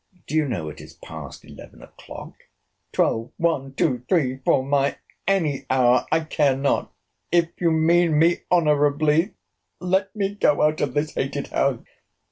—Do you know it is past eleven o'clock? Twelve, one, two, three, four—any hour, I care not—If you mean me honourably, let me go out of this hated house!